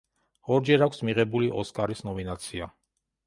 ორჯერ აქვს მიღებული ოსკარის ნომინაცია.